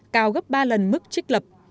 cao gấp ba lần mức trích lập